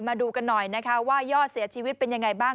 มาดูกันหน่อยนะคะว่ายอดเสียชีวิตเป็นยังไงบ้าง